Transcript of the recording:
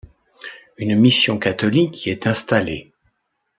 Une mission catholique est y installée.